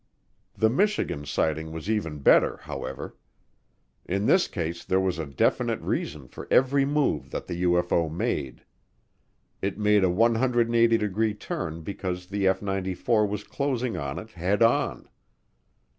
The Michigan sighting was even better, however. In this case there was a definite reason for every move that the UFO made. It made a 180 degree turn because the F 94 was closing on it head on.